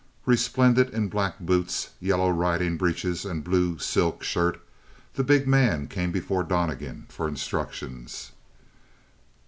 Resplendent in black boots, yellow riding breeches, and blue silk shirt, the big man came before Donnegan for instructions.